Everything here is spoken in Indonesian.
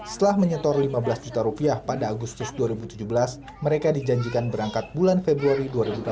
setelah menyetor lima belas juta rupiah pada agustus dua ribu tujuh belas mereka dijanjikan berangkat bulan februari dua ribu delapan belas